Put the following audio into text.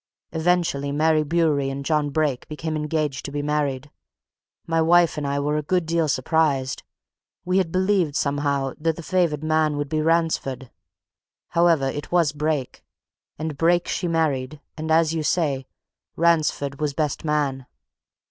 Eventually, Mary Bewery and John Brake became engaged to be married. My wife and I were a good deal surprised we had believed, somehow, that the favoured man would be Ransford. However, it was Brake and Brake she married, and, as you say, Ransford was best man.